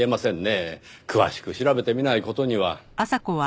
詳しく調べてみない事には。